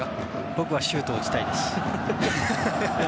僕はシュートを打ちたいです。